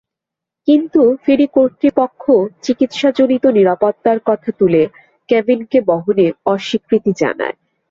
কিন্তু ফেরি কর্তৃপক্ষও চিকিৎসাজনিত নিরাপত্তার কথা তুলে কেভিনকে বহনে অস্বীকৃতি জানায়।